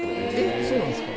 そうなんですか？